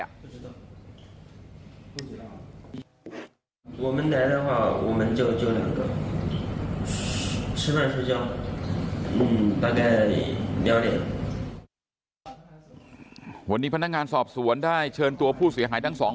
อะว่าวันนี้พนักงานสอบส่วนได้เชิญตัวผู้เศร้าหายทั้ง